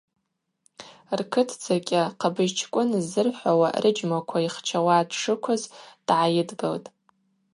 Ркытдзакӏьа Хъабыжьчкӏвын ззырхӏвауа рыджьмаква йхчауа дшыквыз дгӏайыдгылтӏ.